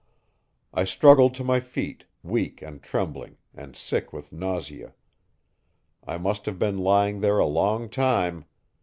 I struggled to my feet, weak and trembling, and sick with nausea. I must have been lying there a long time.